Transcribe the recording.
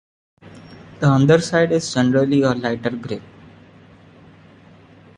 The underside is generally a lighter gray.